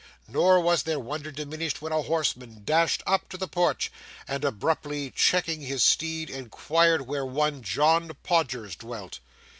Nor was their wonder diminished when a horseman dashed up to the porch, and abruptly checking his steed, inquired where one John Podgers dwelt.